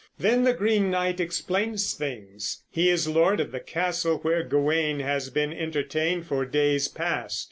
Then the Green Knight explains things. He is lord of the castle where Gawain has been entertained for days past.